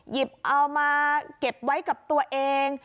หยิบเอามาเก็บไว้กับตัวเอง